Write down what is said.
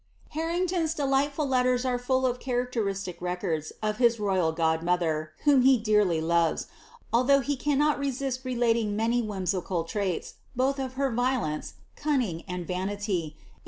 ' Harrington's delightful letters are full of chnracterislic records of his royal godmother, whom he dearly loves, although he cannot resist re ating many whimsical traits, both of her violence, cunning, and vaniiv.